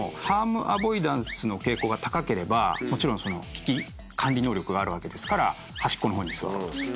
ハーム・アボイダンスの傾向が高ければもちろん危機管理能力があるわけですから端っこの方に座ろうとする。